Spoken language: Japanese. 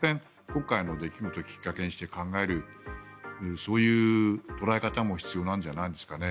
今回の出来事をきっかけにして考える、そういう捉え方も必要なんじゃないですかね。